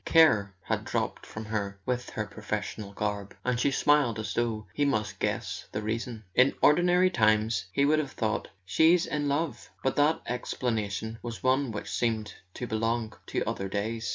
Care had dropped 1222 ] A SON AT THE FRONT from her with her professional garb, and she smiled as though he must guess the reason. In ordinary times he would have thought: "She's in love " but that explanation was one which seemed to belong to other days.